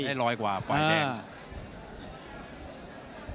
ให้ลอยกว่าฝ่ายแดง